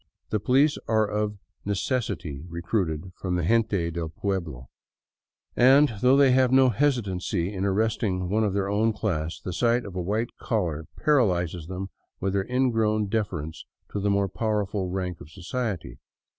The policemen are of necessity recruited from the gente del pueblo, and though they have no hesitancy in arresting one of their own class, the sight of a white collar paralyzes them with their ingrown deference to the more powerful rank of society.